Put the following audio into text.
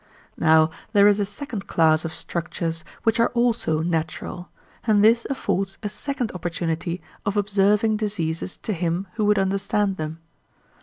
Now there is a second class of structures which are also natural, and this affords a second opportunity of observing diseases to him who would understand them.